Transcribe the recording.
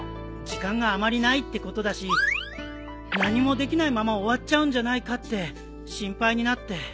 時間があまりないってことだし何もできないまま終わっちゃうんじゃないかって心配になって。